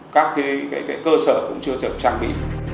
và các cơ sở cũng chưa được trang bị